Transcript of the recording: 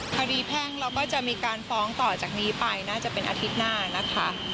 แพ่งเราก็จะมีการฟ้องต่อจากนี้ไปน่าจะเป็นอาทิตย์หน้านะคะ